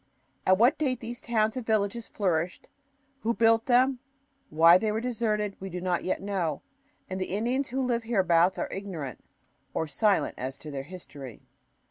At what date these towns and villages flourished, who built them, why they were deserted, we do not yet know; and the Indians who live hereabouts are ignorant, or silent, as to their history.